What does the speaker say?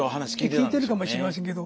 聞いてるかもしれませんけど。